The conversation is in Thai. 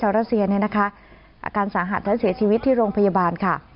รัสเซียเนี่ยนะคะอาการสาหัสและเสียชีวิตที่โรงพยาบาลค่ะ